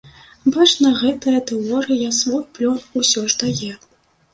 Бачна, гэтая тэорыя свой плён усё ж дае.